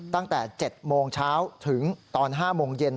ตั้งแต่๗โมงเช้าถึงตอน๕โมงเย็น